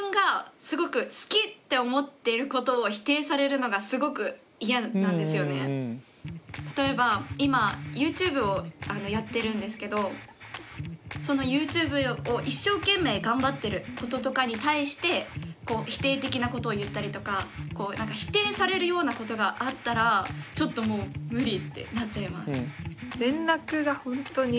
私は今自分がすごく例えば今ＹｏｕＴｕｂｅをやってるんですけどそのＹｏｕＴｕｂｅを一生懸命頑張ってることとかに対して否定的なことを言ったりとか否定されるようなことがあったらちょっともう無理ってなっちゃいます。